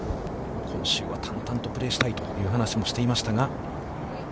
今週は淡々とプレーをしたいという話をしていましたが。